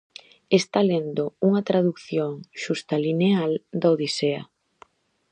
Está lendo unha tradución xustalineal da 'Odisea'